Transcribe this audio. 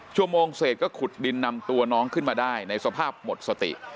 ชั่วโมงเสร็จก็ขุดดินนำตัวน้องขึ้นมาได้ในสภาพหมดสติ